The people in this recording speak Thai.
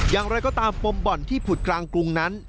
อย่างไรก็ตามปมบ่อนที่ผุดกลางกรุงนั้น